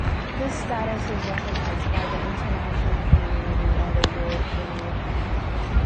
This status is recognised by the international community and the European Union.